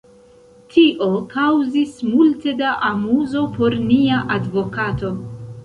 Tio kaŭzis multe da amuzo por nia advokato!